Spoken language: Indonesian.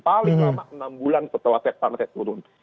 paling lama enam bulan setelah fed fund fed turun